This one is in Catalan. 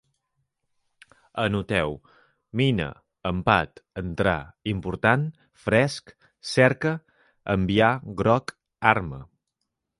Anoteu: mina, empat, entrar, important, fresc, cerca, enviar, groc, arma